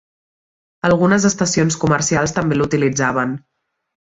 Algunes estacions comercials també l'utilitzaven.